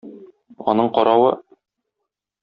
Аның каравы...